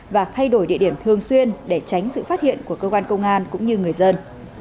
và thay đổi địa điểm thường xuyên để tránh sự phát hiện của cơ quan công an cũng như người dân